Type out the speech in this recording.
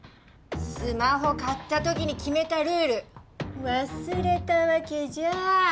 スマホ買ったときに決めたルール忘れたわけじゃないよね？